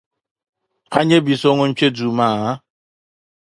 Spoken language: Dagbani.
A nya bi so ŋun kpe duu maa?